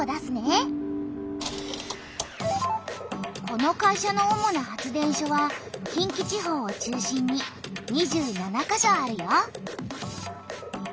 この会社の主な発電所は近畿地方を中心に２７か所あるよ。